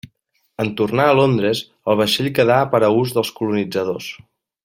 En tornar a Londres el vaixell quedà per a ús dels colonitzadors.